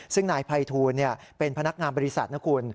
ซึ่งนายภัยทูลเป็นพนักงานบริษัทนะคุณ